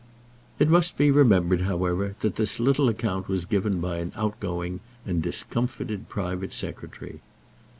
It must be remembered, however, that this little account was given by an outgoing and discomfited private secretary.